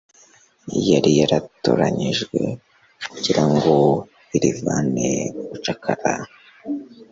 yari yaratoranyije kugira ngo irivane mu bucakara